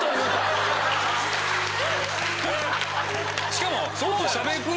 しかも。